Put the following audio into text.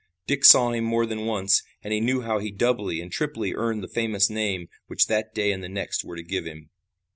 Dick saw him more than once, and he knew how he doubly and triply earned the famous name which that day and the next were to give him.